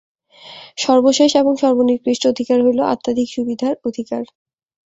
সর্বশেষ এবং সর্বনিকৃষ্ট অধিকার হইল আধ্যাত্মিক সুবিধার অধিকার।